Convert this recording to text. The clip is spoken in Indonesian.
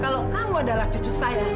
kalau kamu adalah cucu saya